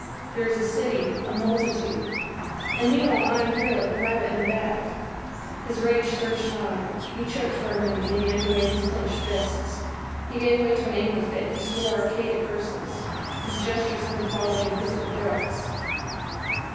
There is a city, a multitude . And meanwhile I am here like a rabbit in a bag." His rage surged high. He choked for a moment and began to wave his clenched fists. He gave way to an anger fit, he swore archaic curses. His gestures had the quality of physical threats.